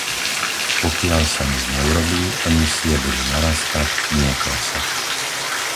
Pokiaľ sa nič neurobí, emisie budú narastať, nie klesať.